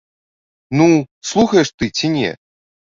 Ну, слухаеш ты ці не?